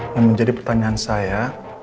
namun jadi pertanyaan saya